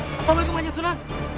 assalamu'alaikum kandung sunan